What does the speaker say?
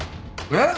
えっ？